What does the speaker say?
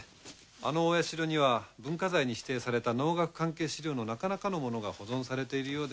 あのお社には文化財に指定された能楽関係資料のなかなかのものが保存されているようで。